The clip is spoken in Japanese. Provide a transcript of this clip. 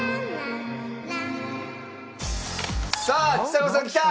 さあちさ子さんきた！